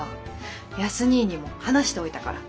康にぃにも話しておいたから。